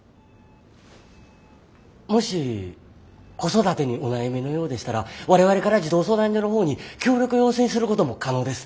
もし子育てにお悩みのようでしたら我々から児童相談所の方に協力を要請することも可能です。